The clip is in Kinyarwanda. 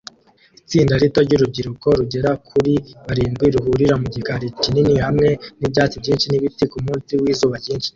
Itsinda rito ryurubyiruko rugera kuri barindwi ruhurira mu gikari kinini hamwe n’ibyatsi byinshi n’ibiti ku munsi wizuba ryinshi